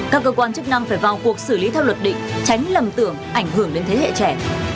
các cơ quan chức năng phải vào cuộc xử lý theo luật định tránh lầm tưởng ảnh hưởng đến thế hệ trẻ